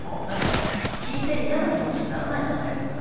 聞いて嫌な気持ちにならないじゃないですか。